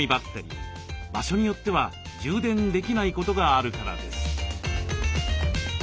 場所によっては充電できないことがあるからです。